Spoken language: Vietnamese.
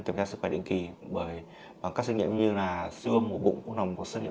kiểm tra sức khỏe định kỳ bởi và các xét nghiệm như là siêu âm mổ bụng uống nồng có xét nghiệm